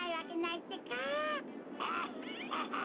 あハハッ